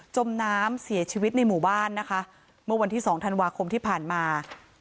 มน้ำเสียชีวิตในหมู่บ้านนะคะเมื่อวันที่สองธันวาคมที่ผ่านมา